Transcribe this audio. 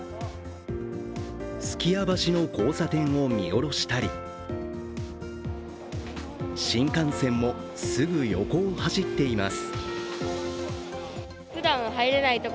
数寄屋橋の交差点を見下ろしたり、新幹線もすぐ横を走っています。